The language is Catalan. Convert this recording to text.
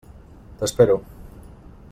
T'espero.